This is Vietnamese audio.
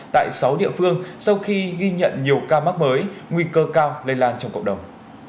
tại sáu địa phương sau khi ghi nhận nhiều ca mắc mới nguy cơ cao lây lan trong cộng đồng